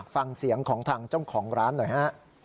ฟังเสียงของทางเจ้าของร้านหน่อยฮะ